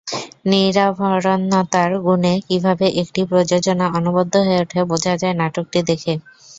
নিরাভরণতার গুণে কীভাবে একটি প্রযোজনা অনবদ্য হয়ে ওঠে, বোঝা যায় নাটকটি দেখে।